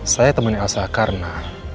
saya teman elsa karena